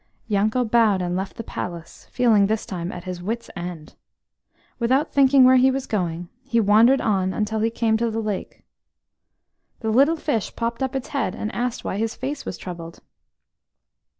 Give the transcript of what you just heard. Yanko bowed and left the palace, feeling this time at his wits' end. Without thinking where he was going, he wandered on until he came to the lake. The little fish popped up its head and asked why his face was troubled.